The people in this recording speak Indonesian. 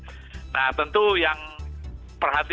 kemudian juga johjody juga kami terus panggil ibaq manifestation